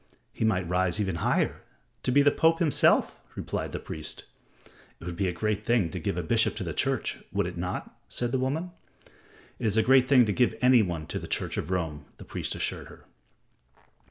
"He might rise even higher to be the Pope himself," replied the priest. "It would be a great thing to give a bishop to the Church, would it not?" said the woman. "It is a great thing to give anyone to the Church of Rome," the priest assured her.